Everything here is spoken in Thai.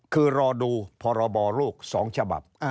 คือรอดูพรบโลก๒ฉบับ